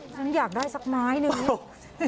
ฉันอยากได้สักไม้นึง